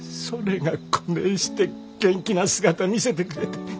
それがこねえして元気な姿見せてくれて。